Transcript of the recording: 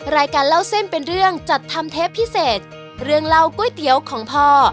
รายการเล่าเส้นเป็นเรื่องจัดทำเทปพิเศษเรื่องเล่าก๋วยเตี๋ยวของพ่อ